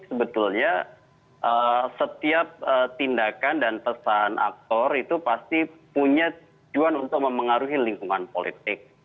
sebetulnya setiap tindakan dan pesan aktor itu pasti punya tujuan untuk memengaruhi lingkungan politik